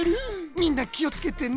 みんなきをつけてね。